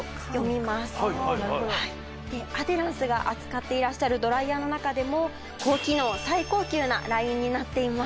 アデランスが扱っていらっしゃるドライヤーの中でも高機能最高級なラインになっています。